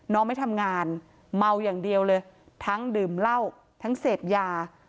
ไม่ทำงานเมาอย่างเดียวเลยทั้งดื่มเหล้าทั้งเสพยา